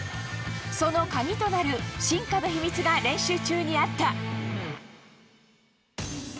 その鍵となる進化の秘密が練習中にあった。